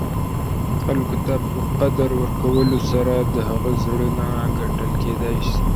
خلګو ته په قدر ورکولو سره، د هغه زړونه ګټل کېداى سي.